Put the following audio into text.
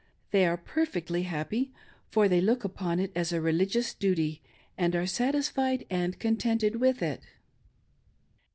They are perfectly happy, for they look upon it as a religious duty, and are satisfied and contented with it."